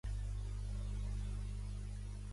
El criteri de Cauchy és una d'aquestes aplicacions.